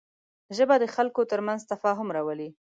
ژبه د خلکو تر منځ تفاهم راولي